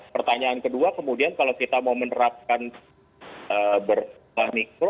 pertanyaan kedua kemudian kalau kita mau menerapkan berbah mikro